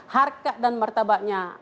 harkat dan martabaknya